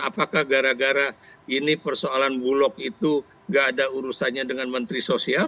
apakah gara gara ini persoalan bulog itu gak ada urusannya dengan menteri sosial